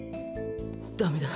「ダメだ！